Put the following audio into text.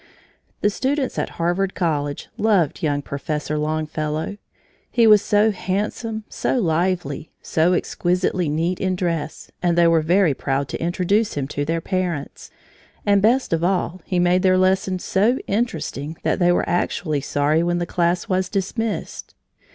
The students at Harvard College loved young Professor Longfellow. He was so handsome, so lively, so exquisitely neat in dress, that they were very proud to introduce him to their parents, and best of all, he made their lessons so interesting that they were actually sorry when the class was dismissed.